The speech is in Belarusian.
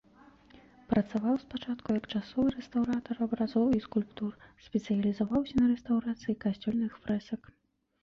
Працаваў спачатку як часовы рэстаўратар абразоў і скульптур, спецыялізаваўся на рэстаўрацыі касцельных фрэсак.